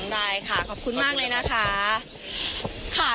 ได้ค่ะขอบคุณมากเลยนะคะ